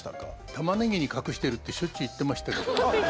「タマネギに隠してる」って、しょっちゅう言ってましたけどね。